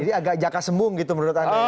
jadi agak jaka sembung gitu menurut anda